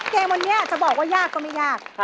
เกมวันนี้จะบอกว่ายากก็ไม่ยาก